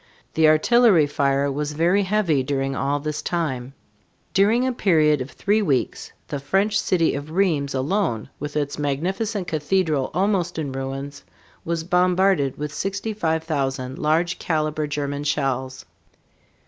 The artillery fire was very heavy during all this time. During a period of three weeks the French city of Rheims (reemz or rănss) alone, with its magnificent cathedral almost in ruins, was bombarded with 65,000 large caliber German shells.